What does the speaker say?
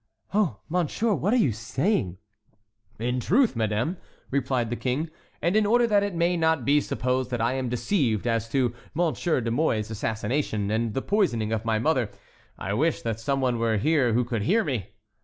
"Oh, Monsieur, what are you saying?" "The truth, madame," replied the king; "and in order that it may not be supposed that I am deceived as to Monsieur de Mouy's assassination and the poisoning of my mother, I wish that some one were here who could hear me."